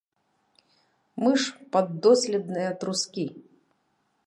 Мы ж паддоследныя трускі.